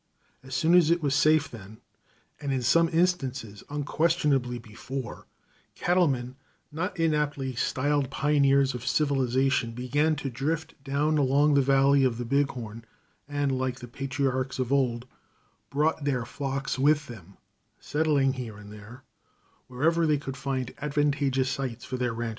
As soon as it was safe then, and in some instances unquestionably before, cattlemen, not inaptly styled pioneers of civilization, began to drift down along the valley of the Big Horn, and, like the patriarchs of old, "brought their flocks with them," settling here and there, wherever they could find advantageous sites for their ranches.